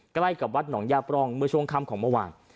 ใกล้กับวัดหนองย่าปร่องเมื่อช่วงค่ำของเมื่อวาน